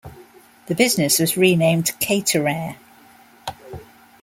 The business was renamed Caterair.